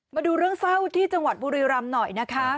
มาดูเรื่องเศร้าที่จังหวัดบุรีรำหน่อยนะคะ